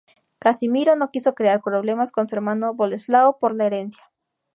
Casimiro no quiso crear problemas con su hermano Boleslao por la herencia.